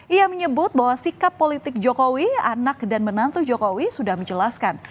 ia menyebut bahwa sikap politik jokowi anak dan menantu jokowi sudah menjelaskan